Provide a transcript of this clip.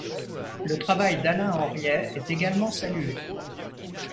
Le travail d'Alain Henriet est également salué.